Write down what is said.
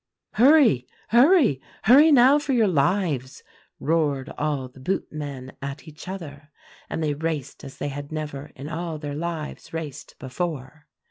"'Hurry! hurry! hurry now for your lives!' roared all the boot men at each other; and they raced as they had never in all their lives raced before.